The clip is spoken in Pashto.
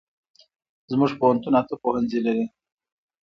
زمونږ پوهنتون اته پوهنځي لري